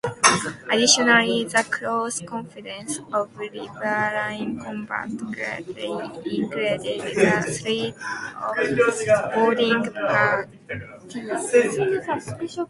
Additionally, the close confines of riverine combat greatly increased the threat of boarding parties.